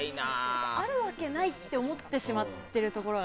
あるわけないと思ってしまっているところが